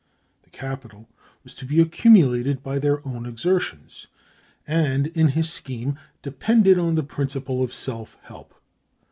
The capital was to be accumulated by their own exertions, and, in his scheme depended on the principle of self help.